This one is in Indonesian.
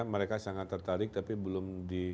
mereka sangat tertarik tapi belum di